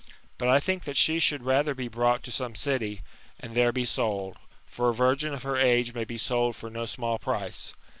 But I think that she should rather be brought to some city, and there be sold; for a virgin of her age may be sold for no small price.